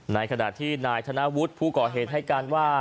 ในขณะที่นายธนวุฒิผู้ก่อเหตุให้การว่า